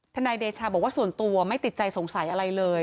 นายเดชาบอกว่าส่วนตัวไม่ติดใจสงสัยอะไรเลย